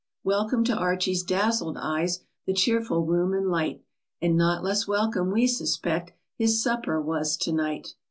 Welcome to Archie's dazzled eyes The cheerful room and light, And not less welcome we suspect, His supper was to night.